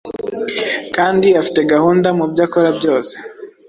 kandi afite gahunda mu byo akora byose,